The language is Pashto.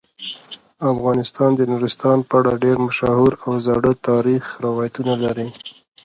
افغانستان د نورستان په اړه ډیر مشهور او زاړه تاریخی روایتونه لري.